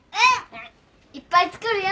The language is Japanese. うん！いっぱい作るよ。